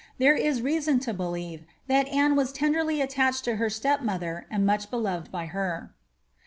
There is reason to believe, that Anne was tenderly attached to her stepmother, and much beloved by her.